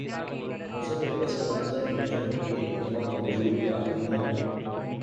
مذہب کے پس منظر میں جب ایک امت وجود میں آتی ہے۔